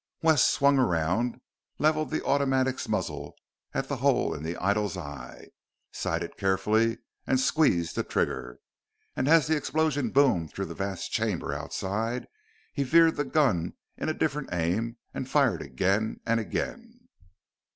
Wes swung around, leveled the automatic's muzzle at the hole in the idol's eye, sighted carefully, and squeezed the trigger. And as the explosion boomed through the vast chamber outside, he veered the gun in a different aim and fired again and again.